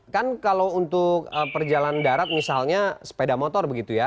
kan kalau untuk perjalanan darat misalnya sepeda motor begitu ya